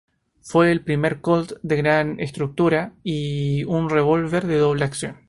Fue el primer Colt de gran estructura y un revólver de doble acción.